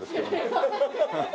ハハハハ！